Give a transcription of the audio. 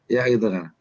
ya gitu kan